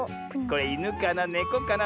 いぬかなねこかな。